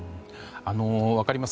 分かります。